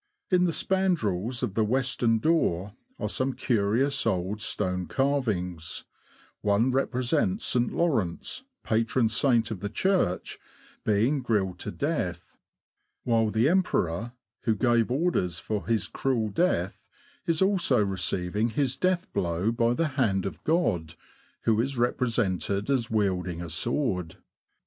In the spandrels of the western door are some curious old stone carvings ; one repre sents St. Lawrance, patron saint of the church, being grilled to death ; while the emperor, who gave orders for his cruel death, is also receiving his death blow by the hand of God, who is represented as wielding a sword.